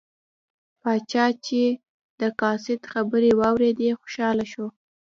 پاچا چې د قاصد خبرې واوریدې خوشحاله شو.